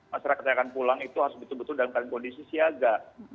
masyarakat yang akan pulang itu harus betul betul dalam kondisi siaga